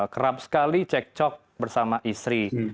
kerap sekali cek cok bersama istri